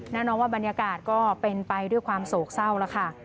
แน่นอนว่าบรรยากาศก็เป็นไปด้วยความโศกเศร้าแล้วค่ะ